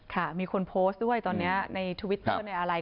ค่ะมีคนโพสต์ด้วยตอนนี้ในทวิตเตอร์ในอะไร